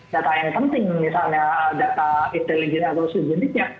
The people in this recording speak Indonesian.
data yang penting misalnya data intelijen atau sejenisnya